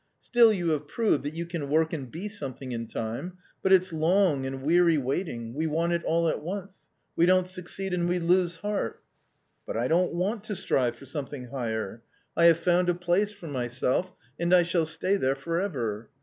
Still you have proved that you can work and be something in time. But it's long and weary waiting, we want it all at once ; we don't succeed, and we lose heart" "But I don't want to strive for something higher. I have found a place for myself, and I shall stay there for ever.